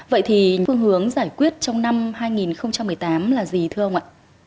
vậy thì phương hướng giải quyết trong năm hai nghìn một mươi tám là gì thưa ông ạ